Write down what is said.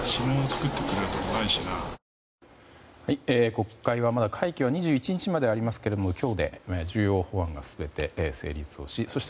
国会はまだ会期は２１日までありますけれども今日で重要法案が全て成立しそして